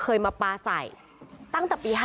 คือตอนที่แม่ไปโรงพักที่นั่งอยู่ที่สพ